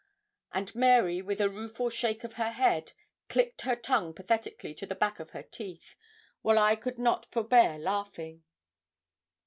And Mary, with a rueful shake of her head, clicked her tongue pathetically to the back of her teeth, while I could not forbear laughing.